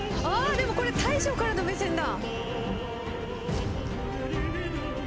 でもこれ大将からの目線だ！